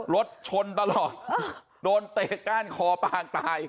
รถชนตลอดโดนเตะก้านคอปางตาย